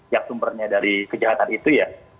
yang sumbernya dari kejahatan itu ya